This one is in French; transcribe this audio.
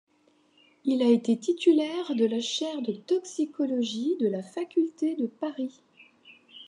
Il a été titulaire de la chaire de toxicologie de la Faculté de Paris.